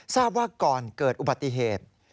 ทราบว่าก่อนเกิดอุบัติเหตุ